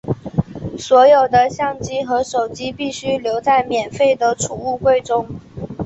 所有的相机和手机必须留在免费的储物柜中。